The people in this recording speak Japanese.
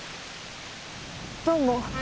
どうも。